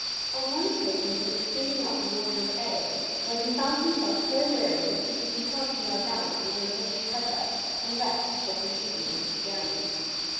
On one occasion he was speeding up the Water of Ć when he found himself so weary that he was compelled to lie down under a bush of heather and rest before proceeding on his journey.